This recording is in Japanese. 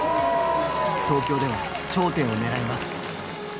東京では頂点を狙います。